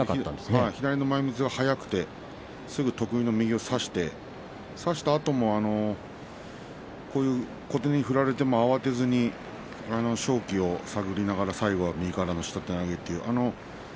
左の前みつが早くてすぐ得意の右を差して差したあとも小手に振られても慌てずに勝機を探って最後は右からの下手投げ。